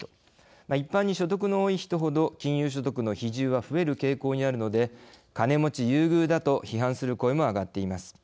一般に所得の多い人ほど金融所得の比重は増える傾向にあるので金持ち優遇だと批判する声も上がっています。